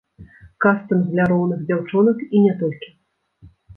Кастынг для роўных дзяўчонак і не толькі!